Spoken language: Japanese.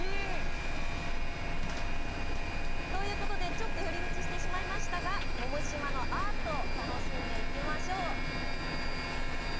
ちょっと寄り道してしまいましたが百島のアート楽しんでいきましょう。